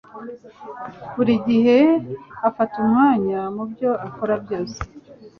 Buri gihe afata umwanya mubyo akora byose